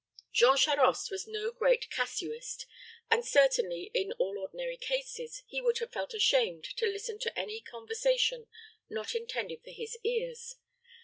Jean Charost was no great casuist, and certainly, in all ordinary cases, he would have felt ashamed to listen to any conversation not intended for his ears.